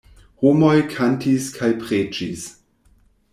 Homoj kantis kaj preĝis.